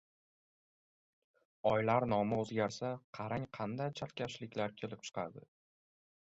Oylar nomi oʻzgarsa, qarang, qanday chalkashliklar kelib chiqadi?